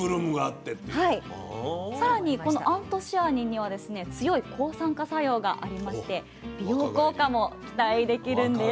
さらにこのアントシアニンにはですね強い抗酸化作用がありまして美容効果も期待できるんです。